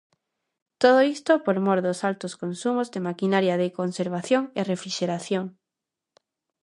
Todo isto por mor dos altos consumos de maquinaria de conservación e refrixeración.